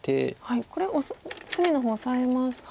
これ隅の方オサえますと。